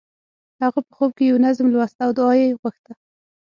هغه په خوب کې یو نظم لوست او دعا یې غوښته